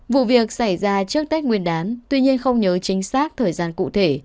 vụ việc xảy ra trước tết nguyên đán tuy nhiên không nhớ chính xác thời gian cụ thể